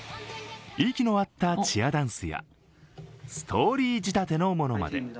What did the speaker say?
息の合ったチアダンスやストーリー仕立てのものまで。